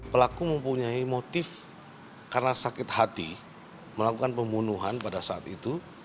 pelaku mempunyai motif karena sakit hati melakukan pembunuhan pada saat itu